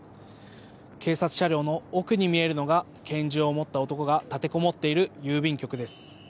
警察車両の奥に見えるのが拳銃を持った男が立てこもっている郵便局です。